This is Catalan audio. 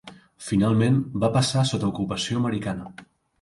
Finalment va passar sota ocupació americana.